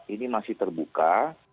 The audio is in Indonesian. ini masih terbuka